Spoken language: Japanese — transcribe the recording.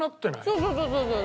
そうそうそうそう。